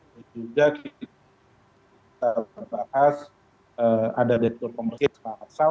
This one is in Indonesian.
kita juga kita bahas ada detik komersial